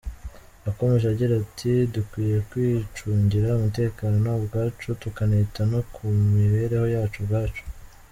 Yakomeje agira ati “Dukwiye kwicungira umutekano ubwacu tukanita no ku mibereho yacu ubwacu.